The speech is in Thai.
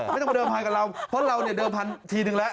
ไม่ต้องมาเดินพันกับเราเพราะเราเนี่ยเดิมพันทีนึงแล้ว